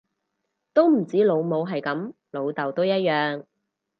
都唔止老母係噉，老竇都一樣